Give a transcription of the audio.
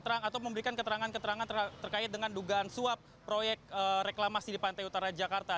atau memberikan keterangan keterangan terkait dengan dugaan suap proyek reklamasi di pantai utara jakarta